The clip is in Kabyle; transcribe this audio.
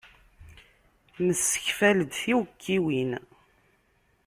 Nessekfal-d tiwekkiwin.